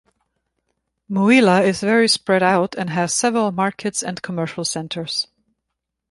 Mouila is very spread out and has several markets and commercial centers.